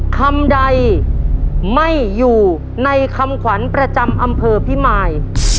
คำใดไม่อยู่ในคำขวัญประจำอำเภอพิมาย